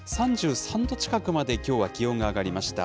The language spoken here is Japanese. ３３度近くまできょうは気温が上がりました。